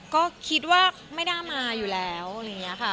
ก็คิดว่าไม่น่ามาอยู่แล้วอะไรอย่างนี้ค่ะ